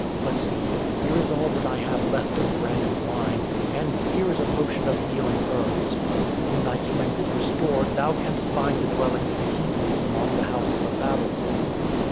But see, here is all that I have left of bread and wine, and here is a potion of healing herbs. When thy strength is restored thou can'st find the dwellings of the Hebrews among the houses of Babylon."